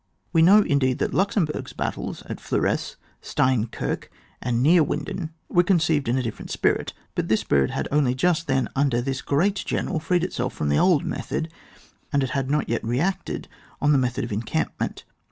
We know, indeed, that Luxemburg's battles at Fleums, Stienkirk, and Neerwinden, were con ceived in a different spirit; but this spirit had only just then under this great general freed itself from the old method, and it had not yet reacted on the method of encampment.